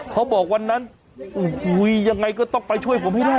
เขาบอกวันนั้นโอ้โหยังไงก็ต้องไปช่วยผมให้ได้